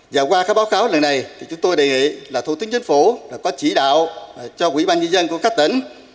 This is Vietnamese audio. và qua các báo cáo lần này chúng tôi đề nghị là thủ tướng chính phủ có chỉ đạo cho quỹ ban nhân dân của các tỉnh